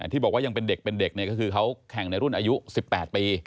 ที่บอกว่ายังเป็นเด็กเป็นเด็กก็คือเขาแข่งในรุ่นอายุ๑๘ปี